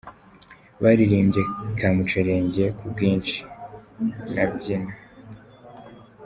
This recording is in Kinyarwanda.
Baririmbye ’Kamucerenge’, ’Ku bwinshi’ na ’Byina’.